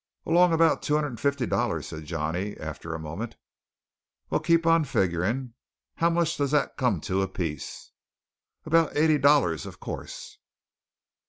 "Along about two hundred and fifty dollars," said Johnny after a moment. "Well, keep on figgerin'. How much does that come to apiece?" "About eighty dollars, of course."